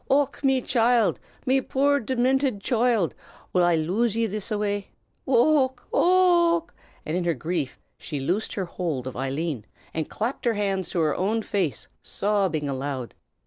Och, me choild! me poor, diminted choild! will I lose ye this a way? Ochone! ochone!" and in her grief she loosed her hold of Eileen and clapped her hands to her own face, sobbing aloud.